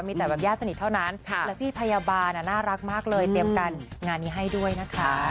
มีแต่แบบญาติสนิทเท่านั้นและพี่พยาบาลน่ารักมากเลยเตรียมการงานนี้ให้ด้วยนะคะ